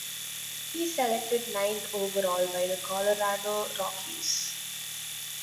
He selected ninth overall by the Colorado Rockies.